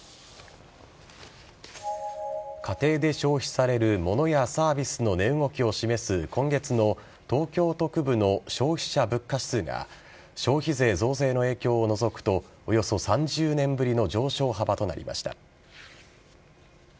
家庭で消費されるモノやサービスの値動きを示す今月の東京都区部の消費者物価指数が消費税増税の影響を除くとおよそ３０年ぶりの上昇幅となりました。